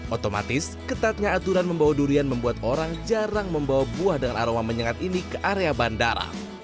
otomatis ketatnya aturan membawa durian membuat orang jarang membawa buah dengan aroma menyengat ini ke area bandara